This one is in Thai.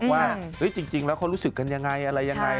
ว่าจริงแล้วเขารู้สึกกันยังไงอะไรยังไง